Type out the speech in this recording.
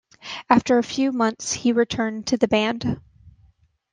After a few months he returned to the band.